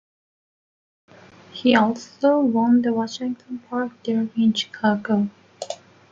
He also won the Washington Park Derby in Chicago.